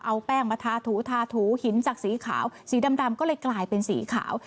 เอาแป้งมาทาถูทาถูหินจากสีขาวสีดำก็เลยกลายเป็นสีขาว